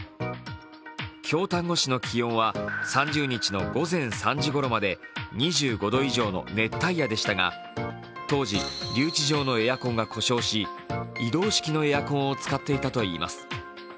京丹後市の気温は３０日の午前３時ごろまで２５度の熱帯夜でしたが、当時、留置所のエアコンが故障し移動式のエアコンを使っていたといいます。